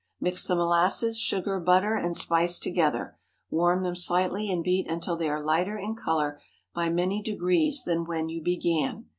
Mix the molasses, sugar, butter, and spice together; warm them slightly, and beat until they are lighter in color by many degrees than when you began.